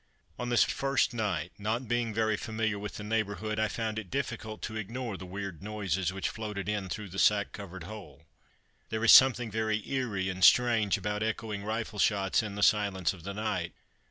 On this first night, not being very familiar with the neighbourhood, I found it difficult to ignore the weird noises which floated in through the sack covered hole. There is something very eerie and strange about echoing rifle shots in the silence of the night.